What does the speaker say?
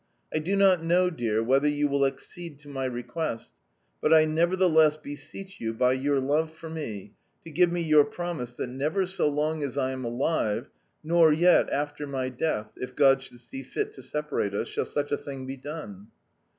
I do not know, dear, whether you will accede to my request, but I nevertheless beseech you, by your love for me, to give me your promise that never so long as I am alive, nor yet after my death (if God should see fit to separate us), shall such a thing be done.